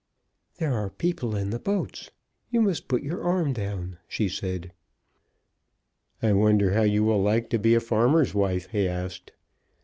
"There are people in the boats. You must put your arm down," she said. "I wonder how you will like to be a farmer's wife?" he asked.